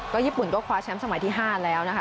ญี่ปุ่นก็คว้าแชมป์สมัยที่๕แล้วนะคะ